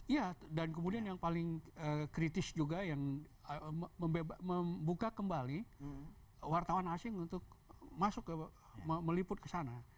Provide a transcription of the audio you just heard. iya dan kemudian yang paling kritis juga yang membuka kembali wartawan asing untuk masuk ke meliput ke sana